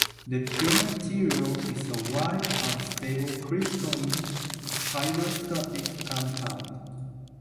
The pure material is a white, unstable crystalline, hygroscopic compound.